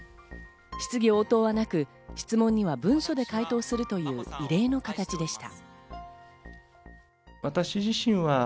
質疑応答はなく、質問には文書で回答するという異例の形でした。